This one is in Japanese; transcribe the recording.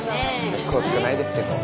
結構少ないですけど。